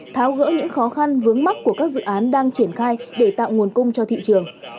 tháo gỡ những khó khăn vướng mắt của các dự án đang triển khai để tạo nguồn cung cho thị trường